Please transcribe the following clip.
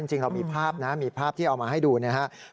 จริงเรามีภาพนะมีภาพที่เอามาให้ดูนะครับ